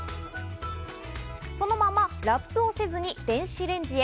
そのままラップをせずに電子レンジへ。